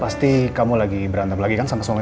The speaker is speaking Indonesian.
pasti kamu lagi berantem lagi kan sama suami kamu